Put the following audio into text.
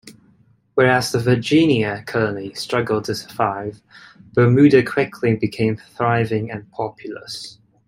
Whereas the Virginia colony struggled to survive, Bermuda quickly became thriving and populous.